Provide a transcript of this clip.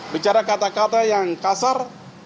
bicara kata kata yang kasar